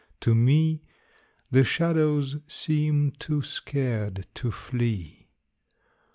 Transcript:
To me The shadows seem too scared to flee.